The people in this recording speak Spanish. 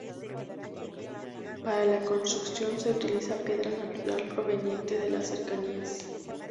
Para la construcción se utiliza piedra natural proveniente de las cercanías.